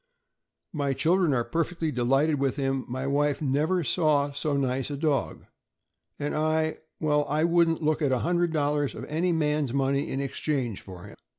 "My children are perfectly delighted with him; my wife 'never saw so nice a dog,' and I— well, I wouldn't look at $100 of any man' s money in exchange for him.